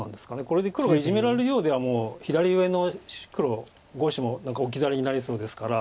これで黒がイジメられるようでは左上の黒５子も置き去りになりそうですから。